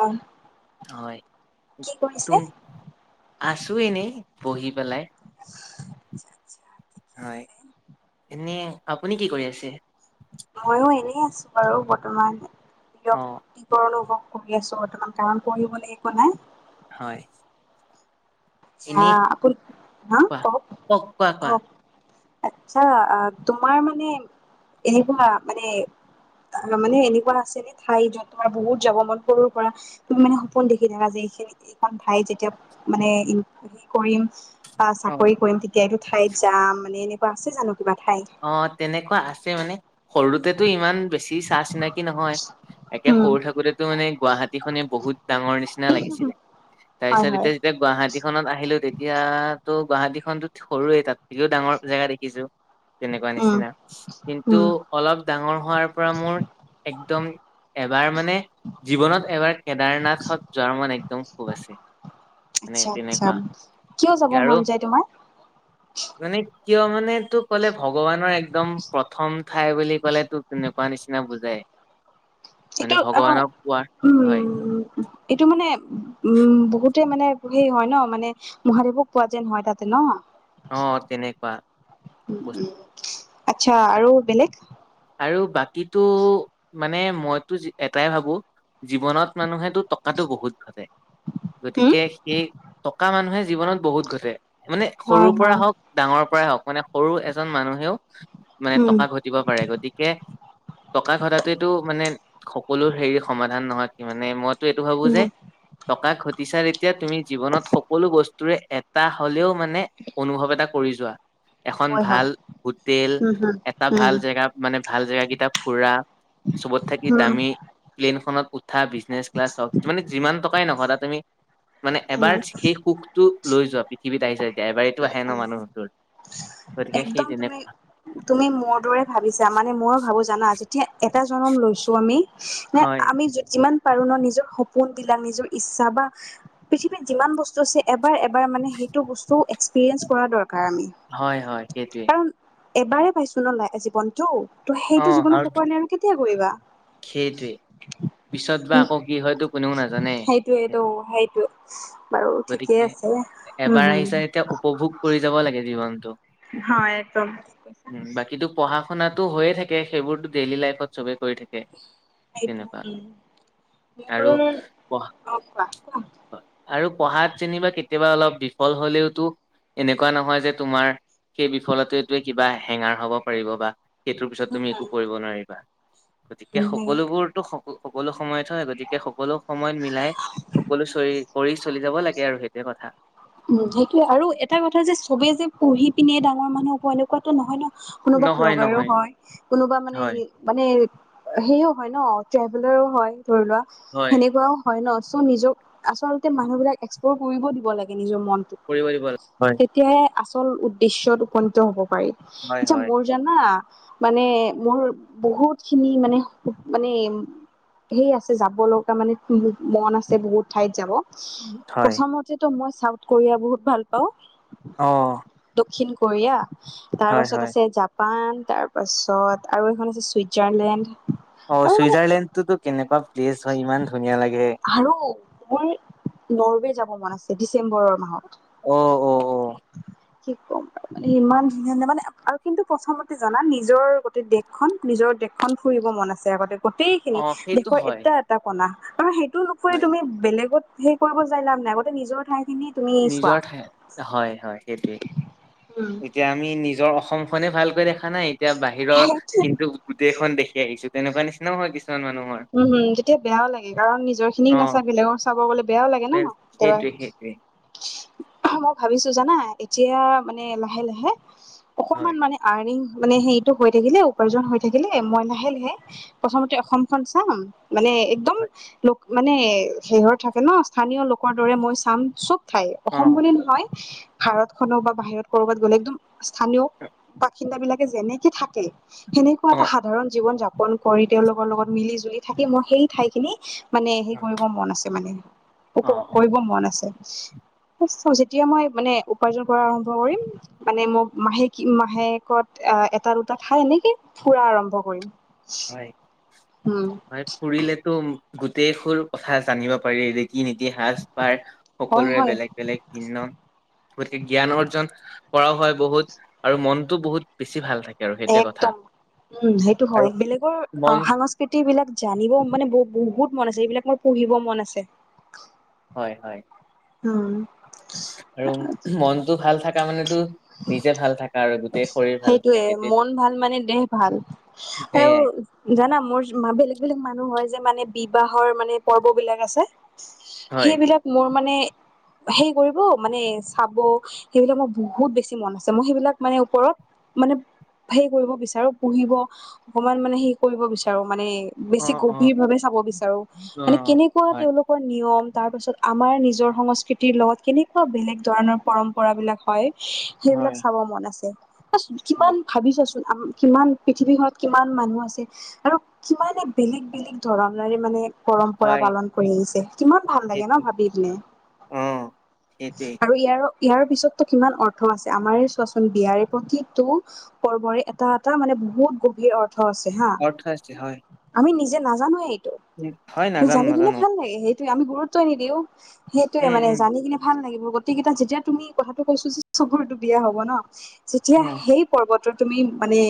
অ', হয় তোম আছো এনেই বহি পেলাই হয় এনে আপুনি কি কৰি আছে আৰু বৰ্তমান দিয় অ কি কৰলো ন পঢ়ি আছো বৰ্তমান কাৰণ পঢ়িবলৈ একো নাই হয় চা এনেই আপুনি হা কোৱা কওক কোৱা কোৱা কওক আচ্ছা তোমাৰ মানে এনেকুৱা মানে- অ মানে এনেকুৱা আছে নে ঠাই যত তোমাৰ বহুত যাব মন সৰুৰ পৰা তুমি মানে সপোন দেখি থাকা যে এইখন ঠাই যেতিয়া মানে কৰিম বা অ চাকৰি কৰিম তেতিয়াইটো ঠাইত যাম মানে এনেকুৱা আছে জানো। কিবা ঠাই অ তেনেকুৱা আছে মানে সৰুতেতো ইমান বেছি চাহ চিনাকি নহয়। একে উম সৰু থাকোতেতো মানে গুৱাহাটীখনে বহুত ডাঙৰ নিচিনা লাগিছিলে। তাৰ হয় পিছত হয় এতিয়া যেতিয়া গুৱাহাটী খনত আহিলো তেতিয়া তো' গুৱাহাটী খনতো সৰুৱে, তাত কেও ডাঙৰ জেগা দেখিছো। তেনেকোৱা উম নিচিনা কিন্তু উম অলপ ডাঙৰ হোৱাৰ পৰা মোৰ একদম এবাৰ মানে জীৱনত এবাৰ কেদাৰনাথত যোৱাৰ মন একদম খুব আছে। মানে আচ্ছা আচ্ছা তেনেকুৱা কিয় যাব আৰু মন যায় তোমাৰ? মানে কিয় মানে এইটো ক'লে ভগৱানৰ একদম প্ৰথম ঠাই বুলি ক'লে তোক তেনেকোৱা নিচিনা বুজাই মানে এইটো‌ অ ভগৱানক পোৱাৰ হয় উম এইটো মানে- উম বহুতে মানে সেই হয় ন মানে মহাদেৱক পোৱা যেন হয় তাতে ন উম অ তেনেকুৱা বস্তু আচ্ছা আৰ- আৰু বেলেগ। আৰু বাকীতো মানে মইতো এটাই ভাবোঁ। জীৱনত মানুহেতো টকাতটো বহুত ঘটে। হম গতিকে সেই টকা মানুহে জীৱনত বহুত ঘটে মানে হয় সৰুৰ পৰা হয় হওঁক ডাঙৰ পৰাই হওঁক মানে সৰু এজন মানুহেও মানে উম টকা ঘটিব পাৰে গতিকে তাকে টকা ঘটাটো এইটো মানে সকলো হেৰি সমাধান নহয় কি মানে মই এইটো ভাবো যে উম টকা ঘটিছা তেতিয়া তুমি জীৱনত সকলো বস্তু তোৰে এটা হ'লেও মানে অনুভৱ এটা কৰি যোৱা। এখন হয় হয় ভাল হোটেল উম হম এটা উম ভাল জেগা মানে ভাল জেগা কেইটা ফুৰা চবত থাকি উম দামী প্লেইনখনত উ উঠা বিজনেছ ক্লাছ হওঁক মানে যিমান টকাই নহয় তাত তুমি মানে উম উম এবাৰ সেই সুখটো লৈ যোৱা পৃথিৱীত আহি গতিকে সেই একদম তুমি তেনেকুৱা তুমি মোৰ দৰে ভাবিছা। মানে মই ভাবো জানা যেতিয়া এটা জন্ম লৈছো আমি নে হয় আমি যিমান পাৰো ন নিজৰ সপোন বিলাক নিজৰ ইচ্ছা বা পৃথিৱীত যিমান বস্তু আছে এবাৰ মানে সেইটো বস্তু এক্সপিৰিয়েঞ্চ কৰা দৰকাৰ আমি হয় হয় সেইটোৱে কাৰণ - এবাৰে পাইছো ন জীৱনতটো ত সেইটো জীৱনত নকৰিলে আৰু কেতিয়া কৰিবা। সেইটোৱে পিছত বা উ আকৌ কি হয়তো কোনেও নাজানে সেইটোৱেটো সেইটো সেইটো। বাৰু ঠিকেই গতিকে আছে উম এবাৰ হম। আহিছে এতিয়া উপভোগ কৰি যাব লাগে জীৱনতটো হয় একদম বাকীতো পঢ়া শুনাটো হৈ থাকে সেইবোৰতো ডেইলী লাইফত চবে কৰি থাকে তেনেকুৱা সেটো মোৰ আৰু অ পঢ়া কোৱা কোৱা আৰু পঢ়াত যেনিবা কেতিয়াবা অলপ বিফল হ'লেওতো এনেকুৱা নহয় যে তোমাৰ সেই বিফলটোৱে কিবা হেঙাৰ হব পাৰিব বা সেইটোৰ পিছত উম তুমি একো কৰিব নোৱাৰিবা গতিকে উম উম, সকলোবোৰতো সকলো সময়ত হয় গতিকে সকলো সময়ত মিলাই সকলো চকৰি চলি যাব লাগে আৰু সেইটোৱে কথা উম সেইটোয়ে আৰু এটা কথা যে চবে যে পঢ়ি পিনে ডাঙৰ মানুহ হ'ব এনেকুৱাতো নহয় ন কোনোবা নহয় ভ্লগাৰো নহয় হয় কোনোবা মানে হয় মানে সেও হয় ন ট্ৰেভেলাৰো হয় ধৰি লোৱা হয় সেনেকোৱাও হয় ন চ নিজক আচলতে মানুহ বিলাক এক্সপ্লৰ কৰিব দিব লাগে। নিজৰ মনটো কৰিব দিব লাগে। হয় তেতিয়াহে আচল উদ্দেশ্যত উপনীত হ'ব পাৰি হয় আচ্ছা হয় মোৰ জানা মানে মোৰ বহুত খিনি মানে মানে সেই আছে যাব লগা মানে মন আছে বহুত ঠাইত যাব হয় প্ৰথমতেতো মই চাউথ কোৰিয়া বহুত ভাল পাওঁ অ দক্ষিণ কোৰিয়া তাৰ হয় পাছত হয়। আছে জাপান। তাৰপাছত আৰু এখন আছে ছুইজাৰলেণ্ড অ' চুইজাৰলেণ্ডটোতো কেনেকা আৰু মোৰ নৰৱে যাব ভ্ৰমণ আছে ডিচেম্বৰৰ মাহত অ অ অ। কি কম আ ইমান ধুনীয়া ধুনীয়া মানে আৰু কিন্তু প্ৰথমতে জানা নিজৰ গোটেই দেশখন নিজৰ দেশখন ফুৰিব মন আছে আগতে গোটেইখিনি অ সেইটো দেশৰ হয় এটা এটা কনা আৰু সেইটো নুফুৰি হয়। তুমি বেলেগত সেই কৰিব যাই লাভ নাই গতে নিজৰ ঠাইত নিজৰ ঠাই হয় হয় সেইটোৱে উম এতিয়া আমি নিজৰ অসম খনে ভালকৈ দেখা নাই এতিয়া বাহিৰৰ উম কিন্তু গোটেইখন দেখি আহিছো তেনেকোৱা নিচিনাও হয় কিছু উ- হু তেতিয়া বেয়াও লাগে, কাৰণ নিজৰ অ খিনিক নাচাই বেলেগৰ চাব গলে বেয়াও লাগে ন' কেতিয়াবা উম মই ভাবিছো জানা এতিয়া মানে লাহে-লাহে হয় অকণমান মানে আৰ্ণিং মানে হেৰিটো হৈ থাকিলেও প্ৰয়োজন হৈ থাকিলে মই লাহে লাহে প্ৰথমতে অসমখন চাম মানে একদম হয় মানে শেহৰ থাকে ন স্থানীয় লোকৰ দৰে মই চাম চব ঠাই অ অসম বুলি নহয় ভাৰত খন বা বাহিৰত কৰবাত গ'লে একদম স্থানীয় বাসিন্দা বিলাকে যেনেকে থাকে সেনেকোৱা অ এটা সাধাৰণ জীৱন যাপন কৰি তেওঁলোকৰ লগত মিলি জুলি থাকি মই সেই ঠাইখিনি। মানে হেই কৰিব মন আছে মানে, অ অ উপভোগ কৰিব মন আছে। যেতিয়া মই মানে উপাৰ্জন কৰা আৰম্ভ কৰিম মানে মোক মাহেকী মাহেকত অ' এটা, দুটা ঠাই এনেকে ফুৰা আৰম্ভ কৰিম। হয় উম হয় ফুৰিলেতো গোটেই বোৰ কথা জানিব পাৰি ৰীতি নীতি সাজ পাৰ হয় সকলোৰে হয় বেলেগ বেলেগ ভিন্ন গতিকে জ্ঞান অৰ্জন কৰাও হয় বহুত আৰু মনটো বহুত বেছি ভাল থাকে। আৰু সেইটোৱে কথা একদম উম সেইটো আৰু হয় বেলেগৰ অ মন সাংস্কৃতিক বিলাক জানিব মানে বহুত মন আছে এইবিলাক মোৰ পঢ়িব মন আছে। হয় হয় উম। আৰু মনতো ভাল থাকা মানেতো নিজে ভাল থাকা আৰু গো সেইটোয়ে মন ভাল মানে দেহ ভাল আৰু সেয়াই জানা মোৰ মা বেলে গ বেলেগ মানুহৰ যে মানে বিবাহৰ মানে পৰ্ব বিলাক আছে হয় সেইবিলাক মোৰ মানে হেৰি কৰিব মানে চাব সেইবিলাক মোৰ বহুত বেছি মন আছে মই সেইবিলাক মানে ওপৰত মানে হেই কৰিব বিচাৰো পুহিব অকমান মানে সেই কৰিব বিচাৰো। মানে অ বেছি অ গভীৰ ভাৱে চাব বিচাৰো অ মানে কেনেকোৱা হয় তেওঁলোকৰ নিয়ম তাৰপাছত আমাৰ নিজৰ সংস্কৃতিৰ লগত কেনেকোৱা বেলেগ ধৰণৰ পৰম্পৰাবিলাক হয় সেইবিলাক হয় চাব মন আছে কিমান ভাবিছা চোন। কিমান পৃথিৱীখনত কিমান মানুহ আছে আৰু কিমানে বেলেগ বেলেগ ধৰণৰে মানে পৰম্পৰা হয় পালন কৰি আহিছে কিমান ভাল লাগে ন সেইটো ভাবি পিনে অ সেইটোৱেই আৰু ইয়াৰ ইয়াৰ পিছতটো কিমান অৰ্থ আছে আমাৰে চোৱাচোন বিয়াৰে প্ৰতিটো পৰ্বৰে এটা এটা মানে বহুত গভীৰ অৰ্থ আছে হা অৰ্থ আছে হয় আমি নিজে নাজানোৱে। উম হয় নাজানো জানি কিনে নাজানো ভাল লাগে সেই আমি গুৰুত্বই নিদিও সেইটোয়ে উম মানে উম জানি কিনে ভাল লাগিব। গতিকেইটা যেতিয়া তুমি কথাটো কৈছো যে চবুৰটো বিয়া হব ন যেতিয়া অ সেই পৰ্বত। তুমি মানে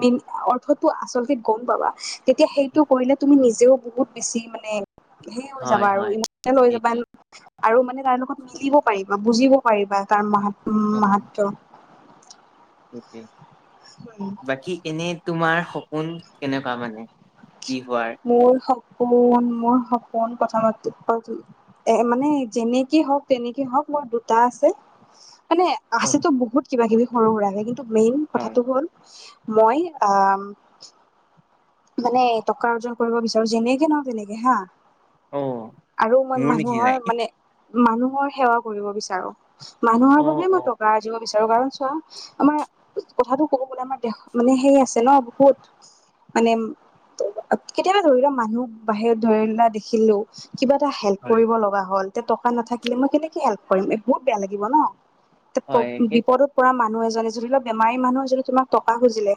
মেনট অৰ্থ আছলেতে গম পাৱা তেতিয়া সেইটো কৰিলে তুমি। নিজেও বহুত বেছি মানে হে হৈ হয় যাবা আৰু হয় ইমচনেল হৈ যাবা সেইটোৱে আৰু মানে তাৰ লগত মিলিব পাৰিবা বুজিব পাৰিবা তাৰ মাহাত অ মাহাতয় বাকী এনে তোমাৰ সপোন কেনেকুৱা মানে? কি হোৱাৰ মোৰ স কোন মোৰ সপোন কথা এ মানে যেনেকে হওক তেনেকে হওক মোৰ দুটা আছে। মানে অ আছেতো বহুত কিবা কিবি সৰু সুৰাকে কিন্তু মেইন হয় কথাটো হ'ল মই আ মানে টকা অৰ্জন কৰিব বিচাৰো যেনেকে ন তেনেকে হা। অ আৰু মই মোৰ মানুহৰ নিচিনাই মানে মানুহৰ সেৱা কৰিব বিচাৰো মানুহৰ অ বাবে মই অ টকা আৰ্জিব বিচাৰো। কাৰণ চোৱা আমাৰ কথাটো কব গলে আমাৰ দেশ মানে হেইৰি আছে ন বহুত। মানে কেতিয়াবা ধৰি লোৱা মানুহ বাহিৰত ধৰিলোৱা দেখিলো কিবা এটা হেল্প হয় কৰিব লগা হ'ল এয়া টকা নাথাকিলে মই কেনেকে হেল্প কৰিম এই বহুত বেয়া লাগিব ন- হয় সেই বিপদত পৰা মানুহ এজনে ধৰি লওক বেমাৰী মানুহ এজনী তোমাক টকা খুজিলে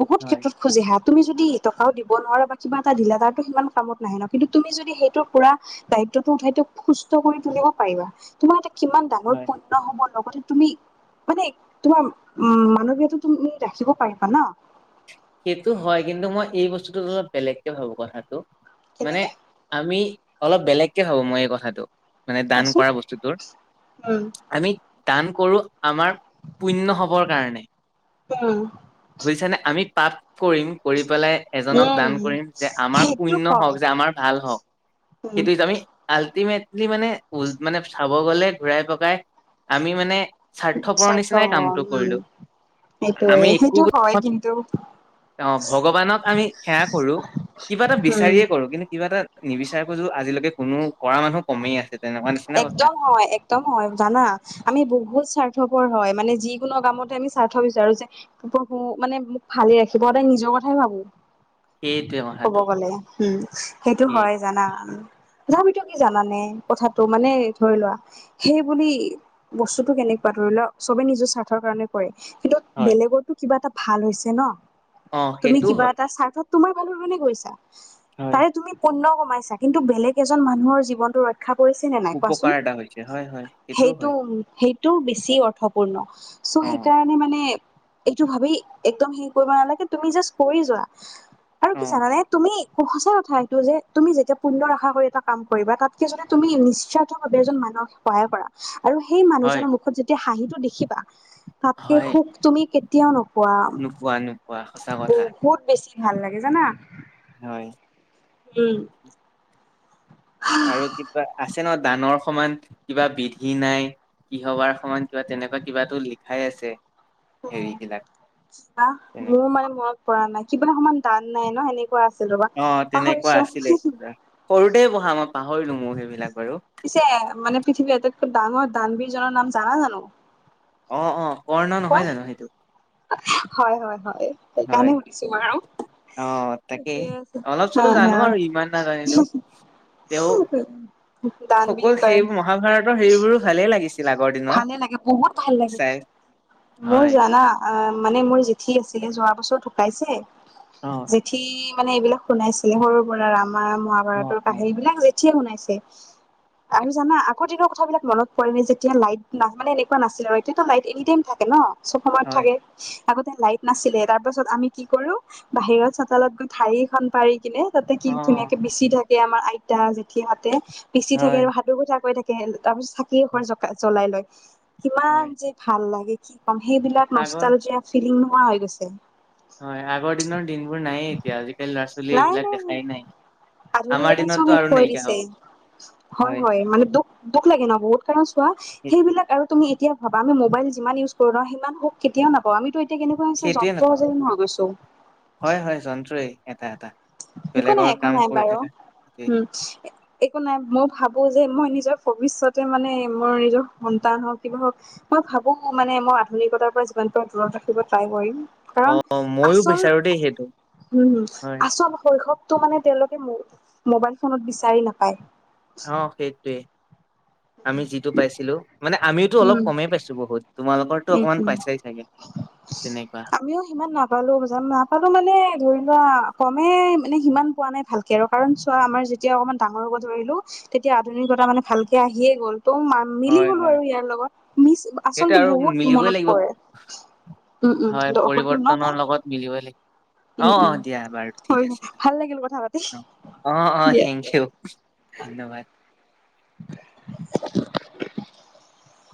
বহুত হয় ক্ষেত্ৰত খোজে হাত- তুমি যদি টকাও দিব নোৱাৰা বা কিবা এটা দিলা তাৰো সিমান কামত নাহে ন কিন্তু তুমি যদি সেইটো পুৰা দায়িত্ব উঠাই ত সুস্থ কৰি তুলিব পাৰিবা তোমাৰ এটা কিমান ডাঙৰ হয় পুণ্য হ'ব- লগতে তুমি মানে তোমাৰ উ মানৱীয়তটো তুমি ৰাখিব পাৰিবা ন। সেইটো হয় কিন্তু মই এই বস্তুটোত অলপ বেলেগকে ভাবো কথাটো মানে কেনেকে আমি অলপ বেলেগকে ভাবো মই এই কথাটো মানে দান কোৱাচোন কৰা বস্তুটোৰ উম আমি দান কৰোঁ আমাৰ পুণ্য হবৰ কাৰণে উম বুজিছানে আমি পাপ কৰিম কৰি পেলাই এজনক দান উম কৰিম যে আমাৰ সেইটো পুণ্য হওঁক হয় যে আমাৰ ভাল হওঁক। উম সেইটো আমি আল্টিমেট মানে উ মানে চাব গলে ঘূৰাই পকাই আমি মানে। স্বাৰ্থপৰ স্বাৰ্থ নিচিনাই কামটো উম কৰিলো সেইটোয়ে আমি সেইটো একো- হয় কিন্তু অ ভগৱানক আমি সেৱা কৰো কিবা এটা উম বিচাৰিয়ে কৰো কিন্তু কিবা এটা নিবিচাৰে য আজিলৈকে কোনো কৰা মানুহ কমেই আছে তেনেকুৱা নিচিনা কথা একদম হয় একদম হয় জানা আমি বহুত স্বাৰ্থ। হয়, হয় মানে যিকোনো কামতে আমি স্বাৰ্থ বিচাৰো যে প্ৰভু মানে মোক ভালছ ৰাখিব, সদায় নিজৰ কথা বাবু- [inaudible] ক'ব কথাটো গ'লে উম সেইটো হয় জানা। তথাপিতো কি জানানে কথাটো মানে ধৰি লোৱা সেই বুলি বস্তুটো এনেকে বা ধৰিলোৱা চবে নিজৰ স্বাৰ্থৰ কাৰণে কৰে। কিন্তু হয় বেলেগৰ কিবা এটা ভাল হৈছে ন অ তুমি সেইটো কিবা হয় এটা স্বাৰ্থত তোমাৰ গৈছা হয় তাৰে তুমি পুণ্য কমাইছা কিন্তু বেলেগ এজন মানুহৰ জীৱনটো ৰক্ষা আশা কৰিছে নে নাই কোৱাচোন? উপকাৰ এটা হৈছে হয় হয় সেইটো হয় সেই টো বেছি অৰ্থপূৰ্ণ চ' অ সেইকাৰণে মানে। এইটো ভাবি একদম হেৰি কৰিব নালাগে তুমি জাষ্ট কৰি যোৱা আৰু অ কি জানানে তুমি- সঁচা কথা এইটো যে, তুমি যেতিয়া পুণ্য ৰখা কৰি এটা কাম কৰিবা তাতকে যনে তুমি নিস্বাৰ্থভাৱে এজন মানুহ সহায় কৰা- আৰু সেই হয় মানুহজনৰ মুখত যেতিয়া হাঁহিটো দেখিবা তাতকে হয় সুখ তুমি কেতিয়াও নোপোৱা - নোপোৱা নোপোৱা সঁচা কথা। ভাল লাগে জানা হয় উম আৰু কিবা আছে ন দানৰ সমান কিবা বিধি নাই কিহৰ বাৰ সময়ত কিবা তেনেকুৱা কিবাটো লিখাই আছে। হেৰি উম, বিলাক মোৰ তেনেকুৱা মানে মনত পৰা নাই। কিবা সমান দান নাই ন সেনেকুৱা আ অ তেনেকুৱা আছিলে কিবা, সৰুতে পঢ়া মই পাহৰিলো মোৰ সেইবিলাক বাৰু পিছে মানে পৃথিৱীৰ আটাইতকৈ ডাঙৰ দানবীৰজনৰ নাম জানা জানো? অঁ অঁ। কোৱা? হয় হয় হয় সেইকাৰণে হয় শুধিছো মইয়ো। অ তাকেই ছে অলপ হা চলপ জানো হা আৰু ইমান নাজানিলেও তেওঁ দান সকলো বিৰ কাৰণ সেইবোৰ মহাভাৰতৰ সেইবোৰো ভালেই লাগিছিল আগৰ দিনৰ থানে কে বহুত ভাল লাগে চাই মোৰ হয় জানা অ মানে মোৰ জেঠি হৈছিলে যোৱা বছৰ ঢুকাইছে। অ জেঠি মানে এইবিলাক শুনাইছিলে সৰু পৰা ৰামায়ণ অ অ মহাভাৰতৰ কাহিনী বিলাক জঠ ঠিয়ে শুনাইছে আৰু জানা আগৰ দিনৰ কথাবিলাক মনত পৰে নে যেতিয়া লাইট না মানে এনেকুৱা নাছিলে আৰু এতিয়াটো লাইট এনি টাইম থাকে। কে ন চব সময়ত হয় থাকে। আগতে লাইট নাছিলে তাৰ পাছত আমি কি কৰোঁ, বাহিৰত চোতালত গৈ ধাৰিএখন পাৰি কিনে তাতে কি অ ধুনীয়াকে বিচি থাকে আমাৰ আইতা, জেঠী হাতে বিচি থাকে হয় আৰু সাধু কথা কৈ থাকে তাৰ পিছত চাকি এগজ জ্বলাই লয়। কিমান হয় যে ভাল লাগে কি কম সেইবিলাক আগৰ নষ্টালজিয়া ফিলিং নোহোৱা হৈ গৈছে। হয় আগৰ দিনৰ দিনবোৰ নায়ে এতিয়া আজিকালি ল'ৰা ছোৱালী এইবিলাক দেখাই নাই আমাৰ আধুনিকতাই চব দিনততো শেষ আৰু কৰি নাইকিয়া দিছে। হব হয় হয় মানে দুখ দুখ লাগে ন বহুত কাৰণ চোৱা সেইটোৱে সেইবিলাক আৰু তুমি কেতিয়াবা আমি মোবাইল যিমান ইউজ কৰো সি সুখ কেতিয়াও নাপা অ আমিতো এতিয়া কেনেকুৱা হৈছে সেইটোৱে যন্ত্ৰ নাপাওঁ যেন হয় গৈছো। হয় হয় যন্ত্ৰই এটা এটা একো নাই বেলেগৰ একো কাম নাই কৰি বাৰু, থাকা। উম একো নাই। মই ভাবো যে মই নিজৰ ভৱিষ্যতে মানে মোৰ নিজৰ সন্তান হওক কিবা হওক মই ভাবোঁ মানে মই আধুনিকতাৰ পৰা জিমান পাৰো দূৰত ৰাখিব ট্ৰাই কৰিম। অ কাৰণ মইয়ো আচল বিচাৰো দেই সেইটো হম হ হয় আচল শৈশৱটো মানে তেওঁলোকে মোবাইল ফোনত বিচাৰি নাপায়। অ সেইটোৱে আমি যিটো পাইছিলো মানে আমিওতো অলপ উম কমেই পাইছো বহুত তোমালোকৰতো উম অকমান উম পাইছাই চাগে তেনেকুৱা আমিও সিমান নাপালো, নাপালো মানে ধৰি লোৱা কমে মানে সিমান পোৱা নাই ভালকে আৰু কাৰণ চোৱা আমাৰ যেতিয়া অকমান ডাঙৰ হ'ব ধৰিলো তেতিয়া আধুনিক ত তাৰমানে ভালকে আহিয়ে গ'ল ত মিলি গ'লো আৰু ইয়াৰ লগত, মিছ সেইটোৱে আচলতে আৰু বহুত উম উম মিলিবই লাগিব হয় হৈ গল ন পৰিৱৰ্তনৰ তাই লগত মিলিবই লাগিব। অ উম অ উম দিয়া বাৰু হৈ ঠিক গ'ল আছে ভাল লাগিল কথা পাতি দিয়া অ অ অ দিয়া থেংক ইউ, ধন্যবাদ। [inaudible]